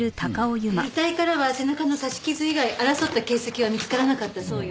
遺体からは背中の刺し傷以外争った形跡は見つからなかったそうよ。